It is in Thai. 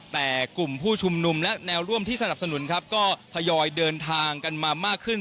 แต่กลุ่มผู้ชุมนุมและแนวร่วมที่สนับสนุนครับก็ทยอยเดินทางกันมามากขึ้น